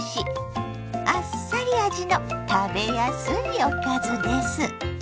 あっさり味の食べやすいおかずです。